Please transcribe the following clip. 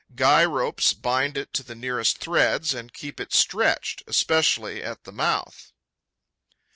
Guy ropes bind it to the nearest threads and keep it stretched, especially at the mouth.